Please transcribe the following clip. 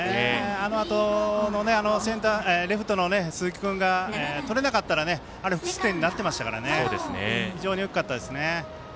あのあとレフトの鈴木君がとれなかったらあれ、複数点になってましたから非常に大きかったですね。